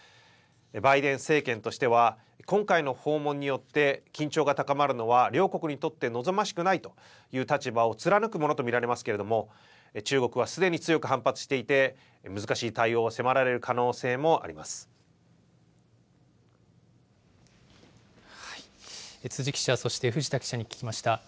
バイデン政権としては、今回の訪問によって緊張が高まるのは両国にとって望ましくないという立場を貫くものと見られますけれども、中国はすでに強く反発していて、難しい対応を迫られる可能性もあ辻記者、そして藤田記者に聞きました。